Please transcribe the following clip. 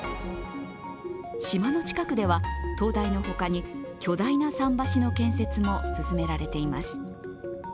島の近くでは灯台のほかに巨大な桟橋の建設も進められています。